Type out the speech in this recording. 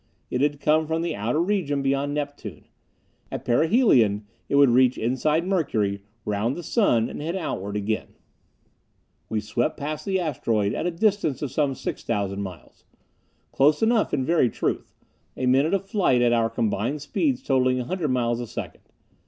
It had come from the outer region beyond Neptune. At perihelion it would reach inside Mercury, round the Sun, and head outward again. We swept past the asteroid at a distance of some six thousand miles. Close enough, in very truth a minute of flight at our combined speeds totaling a hundred miles a second.